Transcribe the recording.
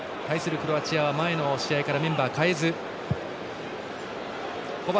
クロアチアは前の試合からメンバーを代えず。